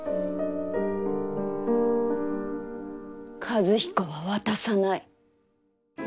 和彦は渡さない。